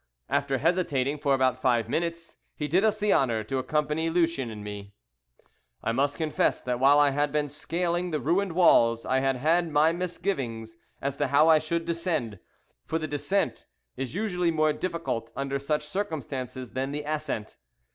After hesitating for about five minutes, he did us the honour to accompany Lucien and me. I must confess that while I had been scaling the ruined walls I had had my misgivings as to how I should descend, for the descent is usually more difficult, under such circumstances, than the ascent.